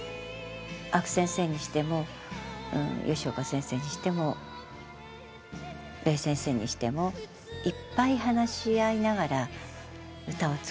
阿久先生にしても吉岡先生にしても礼先生にしてもいっぱい話し合いながら歌を作ってきた。